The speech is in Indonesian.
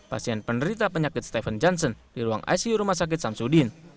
pasien penderita penyakit stephen johnson di ruang icu rumah sakit samsudin